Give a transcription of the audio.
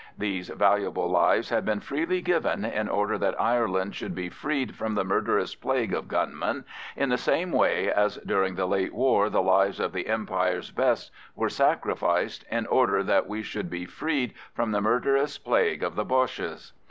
These valuable lives had been freely given in order that Ireland should be freed from the murderous plague of gunmen, in the same way as during the late war the lives of the Empire's best were sacrificed in order that we should be freed from the murderous plague of the Boches.